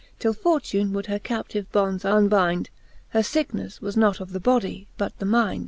Till Fortune would her captive bonds unbynde. Her ficknefTe was not of the body, but the mynde.